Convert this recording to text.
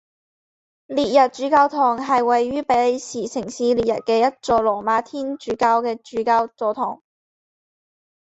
列日主教座堂是位于比利时城市列日的一座罗马天主教的主教座堂。